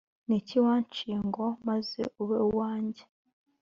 Niki wanciye ngo maze ube uwange